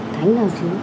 thánh nào chứ